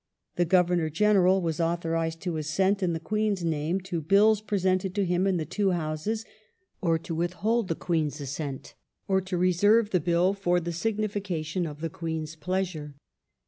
The Governor General was authorized to assent in the Queen's name to Bills presented to him in the two Houses, or to withhold the Queen's assent, or to reserve the Bill for the signifi cation of the Queen's pleasure.